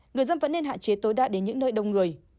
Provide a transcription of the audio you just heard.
người dân vẫn nên hạn chế tối đa đến những nơi đông người